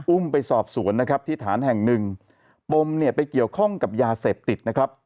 ไปสอบสวนนะครับที่ฐานแห่งหนึ่งปมเนี่ยไปเกี่ยวข้องกับยาเสพติดนะครับ